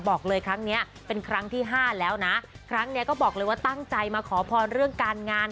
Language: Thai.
บอกเลยครั้งเนี้ยเป็นครั้งที่ห้าแล้วนะครั้งเนี้ยก็บอกเลยว่าตั้งใจมาขอพรเรื่องการงาน